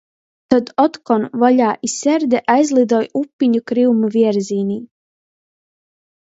Tod otkon vaļā i serde aizlidoj upiņu kryumu vierzīnī.